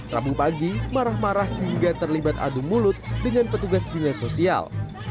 rabu pagi marah marah hingga terlibat adu mulut dengan petugas dinas sosial